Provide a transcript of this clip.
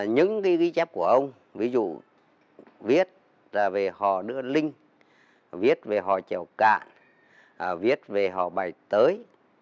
những ghi chép của ông ví dụ viết về hò đưa linh viết về hò chèo cạn viết về hò bày tới